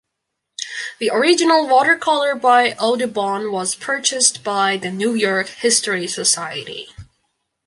The original watercolor by Audubon was purchased by the New York History Society.